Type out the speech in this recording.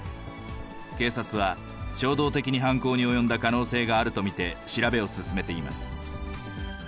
警察は、衝動的に犯行に及んだ可能性があると見て、調べを進めています。